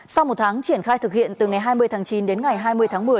sau một tháng triển khai thực hiện từ ngày hai mươi tháng chín đến ngày hai mươi tháng một mươi